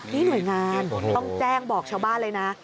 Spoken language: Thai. นี่หน่วยงานต้องแจ้งบอกชาวบ้านเลยนะ